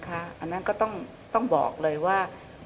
อันนั้นก็ต้องบอกเลยว่า